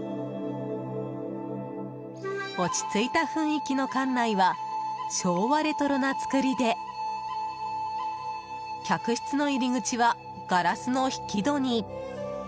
落ち着いた雰囲気の館内は昭和レトロな造りで客室の入り口はガラスの引き戸に。